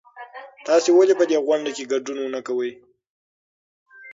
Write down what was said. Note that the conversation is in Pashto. تاسې ولې په دې غونډه کې ګډون نه کوئ؟